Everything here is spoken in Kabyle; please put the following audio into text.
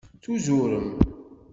Tuzurem.